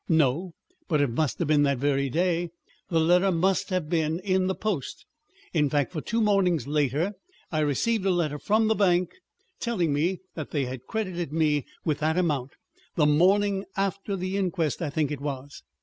"No. But it must have been that very day. The letter must have been in the post, in fact, for two mornings later I received a letter from the bank telling me that they had credited me with that amount the morning after the inquest, I think it was."